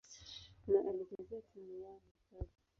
na alichezea timu yao hifadhi.